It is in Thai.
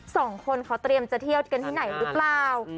สองคนเขาเตรียมจะเที่ยวกันที่ไหนหรือเปล่า